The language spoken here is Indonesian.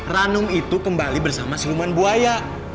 ranum itu kembali bersama siluman buaya